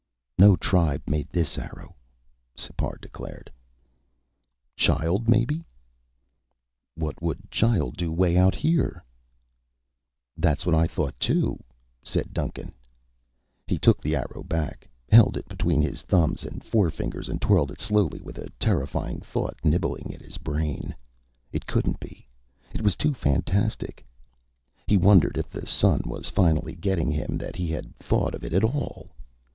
"No tribe made this arrow," Sipar declared. "Child, maybe?" "What would child do way out here?" "That's what I thought, too," said Duncan. He took the arrow back, held it between his thumbs and forefingers and twirled it slowly, with a terrifying thought nibbling at his brain. It couldn't be. It was too fantastic. He wondered if the sun was finally getting him that he had thought of it at all.